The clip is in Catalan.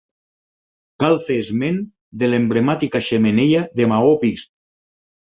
Cal fer esment de l'emblemàtica xemeneia de maó vist.